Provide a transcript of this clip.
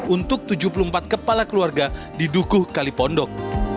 untuk tujuh puluh empat kepala keluarga di dukuh kalipondok